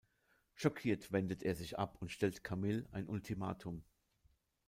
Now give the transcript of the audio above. Schockiert wendet er sich ab und stellt Camille ein Ultimatum.